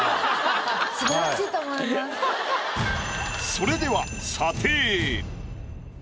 それでは。